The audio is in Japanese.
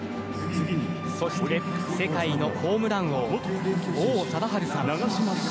そして、世界のホームラン王王貞治さん。